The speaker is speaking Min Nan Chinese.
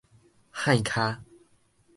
幌跤